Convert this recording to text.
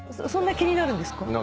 そんな気になるんですか？